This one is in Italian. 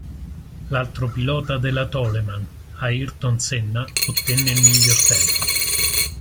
L'altro pilota della Toleman, Ayrton Senna, ottenne il miglior tempo.